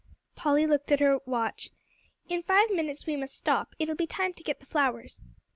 Polly looked at her little watch. "In five minutes we must stop. It'll be time to get the flowers."